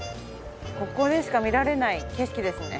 ここでしか見られない景色ですね。